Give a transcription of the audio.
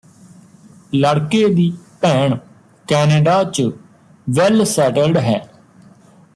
ਲੜਕੇ ਦੀ ਭੈਣ ਕੈਨੇਡਾ ਚ ਵੈੱਲਸੈਟਲਡ ਹੈ